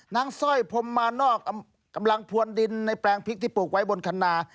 สร้อยพรมมานอกกำลังพวนดินในแปลงพริกที่ปลูกไว้บนคันนา